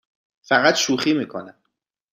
فقط شوخی می کنم.